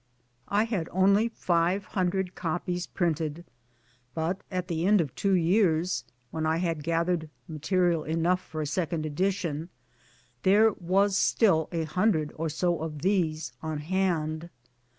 I hia4 only fivg 194 MY DAYS AND DREAMS hundred copies printed ; but at the end of two years when I had gathered material enough for a second edition, there was still a hundred or so of these on hand.